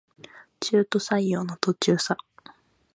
中途採用の途中さ